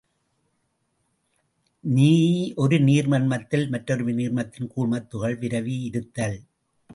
ஒரு நீர்மத்தில் மற்றொரு நீர்மத்தின் கூழ்மத் துகள்கள் விரவி இருத்தல்.